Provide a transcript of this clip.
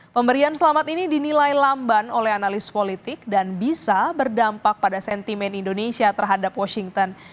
pemberian selamat ini dinilai lamban oleh analis politik dan bisa berdampak pada sentimen indonesia terhadap washington